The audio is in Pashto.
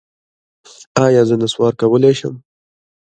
ایا زه نسوار کولی شم؟